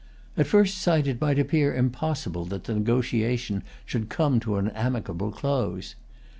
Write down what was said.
At first sight it might appear impossible that the negotiation should come to an amicable close.